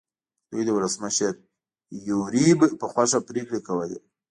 دوی د ولسمشر یوریب په خوښه پرېکړې کولې.